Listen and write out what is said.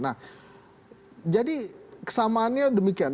nah jadi kesamaannya demikian